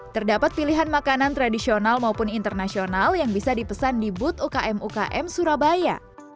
terdapat pilihan makanan tradisional maupun internasional yang bisa dipesan di booth ukm ukm surabaya